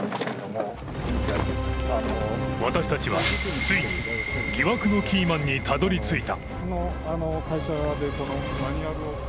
私たちはついに、疑惑のキーマンにたどりついた。